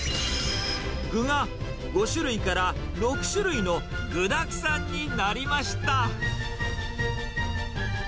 具が５種類から６種類の具だくさんになりました。